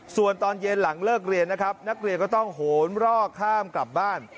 ส่วนตอนเย็นหลังเลิกเรียนนะครับนักเรียนก็ต้องโหนรอกข้ามกลับบ้าน